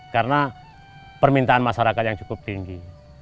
karena permintaan masyarakat yang cukup tinggi